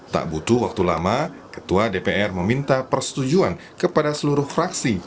tak butuh waktu lama ketua dpr meminta persetujuan kepada seluruh fraksi